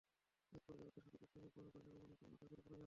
একপর্যায়ে অর্ধশতাধিক শ্রমিক বমি করেন এবং অনেকেই মাথা ঘুরে পড়ে যান।